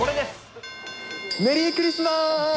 メリークリスマス。